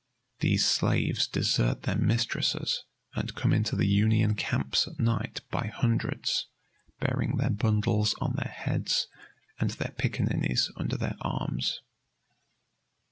These slaves desert their mistresses and come into the Union camps at night by hundreds, bearing their bundles on their heads and their pickaninnies under their arms.